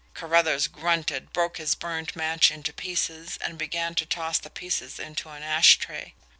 Carruthers grunted, broke his burned match into pieces, and began to toss the pieces into an ash tray.